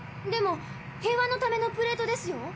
でも平和のためのプレートですよ？